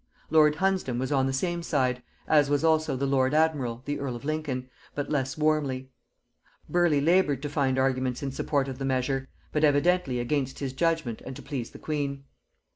Lord Hunsdon was on the same side, as was also the lord admiral (the earl of Lincoln), but less warmly. Burleigh labored to find arguments in support of the measure, but evidently against his judgement and to please the queen.